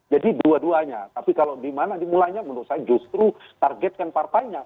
jadi dua duanya tapi kalau di mana dimulainya menurut saya justru targetkan partainya